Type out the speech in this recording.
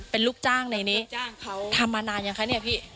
เป็นลูกจ้างในนี้ทำมานานยังคะเนี่ยพี่